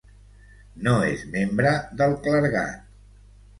No és membre del clergat.